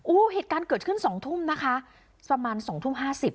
โอ้โหเหตุการณ์เกิดขึ้นสองทุ่มนะคะประมาณสองทุ่มห้าสิบ